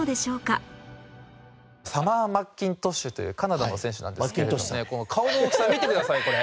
サマー・マッキントッシュというカナダの選手なんですけれどもこの顔の大きさ見てくださいこれ。